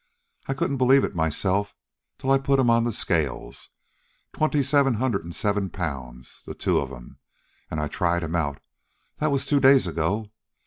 I couldn't believe it myself, till I put 'em on the scales. Twenty seven hundred an' seven pounds, the two of 'em. An' I tried 'em out that was two days ago.